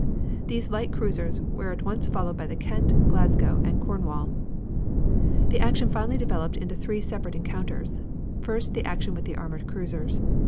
These light cruisers were at once followed by the Kent, Glasgow and Cornwall. "The action finally developed into three separate encounters. First, the action with the armored cruisers.